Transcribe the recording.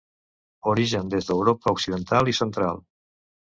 Origen des d'Europa occidental i central.